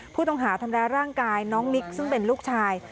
ผู้ต้องหาทำร้ายร่างกายน้องนิกซึ่งเป็นลูกชาย